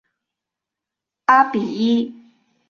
阿比伊。